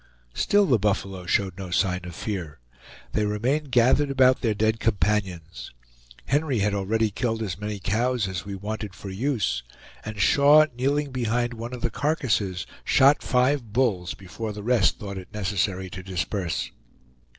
Still the buffalo showed no sign of fear; they remained gathered about their dead companions. Henry had already killed as many cows as we wanted for use, and Shaw, kneeling behind one of the carcasses, shot five bulls before the rest thought it necessary to disperse.